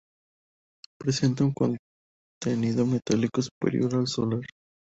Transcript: Presenta un contenido metálico superior al solar.